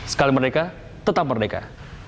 sekali merdeka tetap merdeka